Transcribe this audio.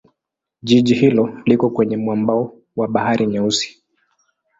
Jiji hilo liko kwenye mwambao wa Bahari Nyeusi.